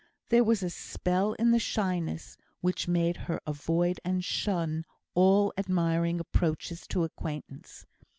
There was a spell in the shyness, which made her avoid and shun all admiring approaches to acquaintance.